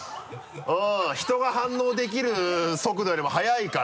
人が反応できる速度よりも速いから。